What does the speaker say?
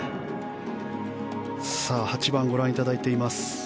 ８番ご覧いただいています。